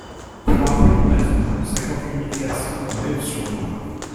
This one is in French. trois rue du Mazou, cinquante-huit mille quatre cents Mesves-sur-Loire